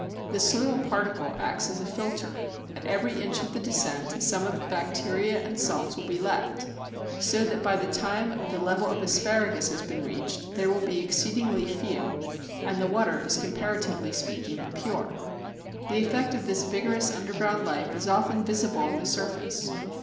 The soil particle acts as a filter: at every inch of the descent some of the bacteria and salts will be left, so that by the time the level of Asparagus has been reached there will be exceedingly few, and the water is comparatively speaking pure. The effect of this vigorous underground life is often visible on the surface.